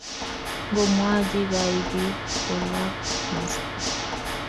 mgomwachi gai bik kolach maskit